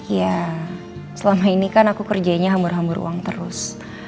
ya selama ini kan aku kerjanya hambur hambur uang terus